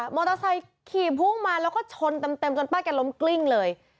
โตไซค์ขี่พุ่งมาแล้วก็ชนเต็มจนป้าแกล้มกลิ้งเลย